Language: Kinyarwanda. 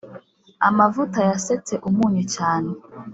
Amavuta yasetse umunyu cyane